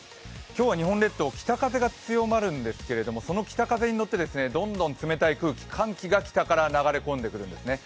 今日は日本列島、北風が強まるんですけどその北風がどんどん冷たい空気、寒気が北から流れ込んでくるんですね。